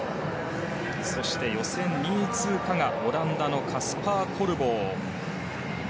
そして予選２位通過がオランダのカスパー・コルボー。